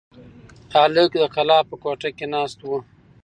هلک د کلا په کوټه کې ناست و.